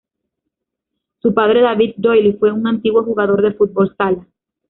Su padre David Doyle fue un antiguo jugador de fútbol sala.